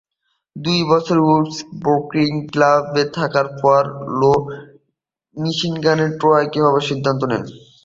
দুই বছর Windsor boxing ক্লাবে থাকার পর, রো মিশিগানের ডেট্রয়েটে যাওয়ার সিদ্ধান্ত নেন।